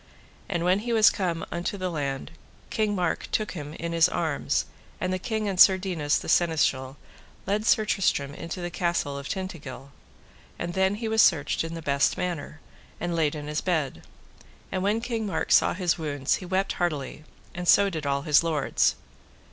And when he was come unto the land, King Mark took him in his arms, and the king and Sir Dinas, the seneschal, led Sir Tristram into the castle of Tintagil. And then was he searched in the best manner, and laid in his bed. And when King Mark saw his wounds he wept heartily, and so did all his lords.